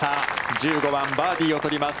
１５番、バーディーを取ります。